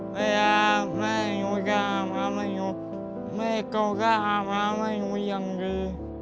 เมื่อแม่หนูจะอาจมาให้หนูแม่เขาก็อาจมาให้หนูอย่างดี